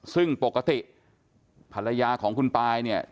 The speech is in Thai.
ซึ่งปกติภรรยาของคุณปายเนี่ย